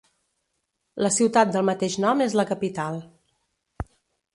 La ciutat del mateix nom és la capital.